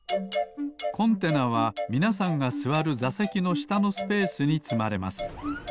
コンテナはみなさんがすわるざせきのしたのスペースにつまれます。